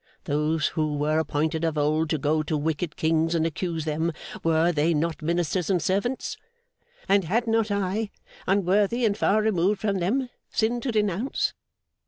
Those who were appointed of old to go to wicked kings and accuse them were they not ministers and servants? And had not I, unworthy and far removed from them, sin to denounce?